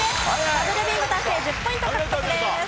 ダブルビンゴ達成１０ポイント獲得です。